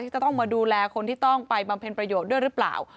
จะต้องมาดูแลคนที่ต้องไปบำเพ็ญประโยชน์ด้วยหรือเปล่า